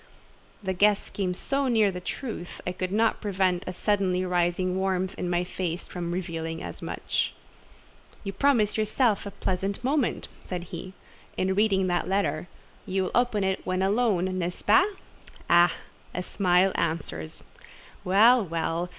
The guess came so near the truth, I could not prevent a suddenly rising warmth in my face from revealing as much. "You promise yourself a pleasant moment," said he, "in reading that letter; you will open it when alone—n'est ce pas? Ah! a smile answers. Well, well!